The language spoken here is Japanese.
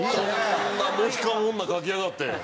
こんなモヒカン女描きやがって。